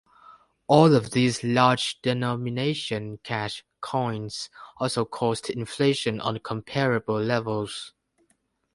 All of these large denomination cash coins also caused inflation on comparable levels.